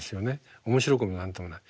面白くも何ともない。